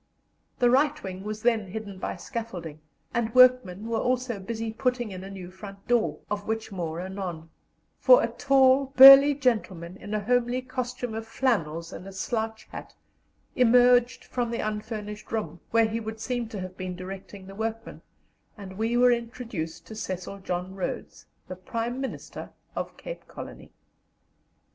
The right wing was then hidden by scaffolding, and workmen were also busy putting in a new front door, of which more anon; for a tall, burly gentleman in a homely costume of flannels and a slouch hat emerged from the unfinished room, where he would seem to have been directing the workmen, and we were introduced to Cecil John Rhodes, the Prime Minister of Cape Colony.